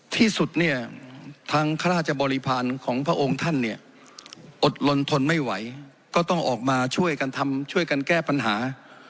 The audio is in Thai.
ที่สุดเนี่ยทางข้าราชบริพาณของพระองค์ท่านเนี่ยอดลนทนไม่ไหวก็ต้องออกมาช่วยกันทำช่วยกันแก้ปัญหา